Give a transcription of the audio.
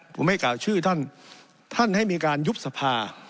ผมไม่กล่าวชื่อท่านท่านให้มีการยุบสภา